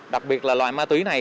đặc biệt là loại ma túy này